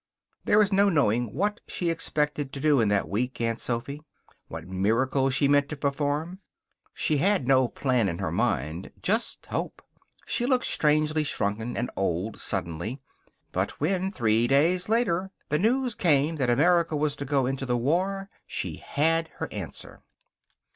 There is no knowing what she expected to do in that week, Aunt Sophy; what miracle she meant to perform. She had no plan in her mind. Just hope. She looked strangely shrunken and old, suddenly. But when, three days later, the news came that America was to go into the war she had her answer.